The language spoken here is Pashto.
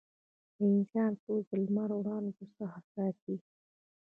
د انسان پوست د لمر د وړانګو څخه ساتي.